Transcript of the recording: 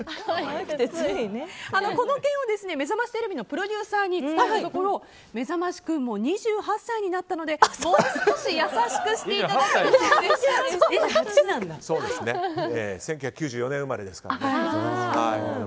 この点を「めざましテレビ」のプロデューサーに伝えたところ、めざましくんも２８歳になったのでもう少し優しくしていただけると１９９４年生まれですからね。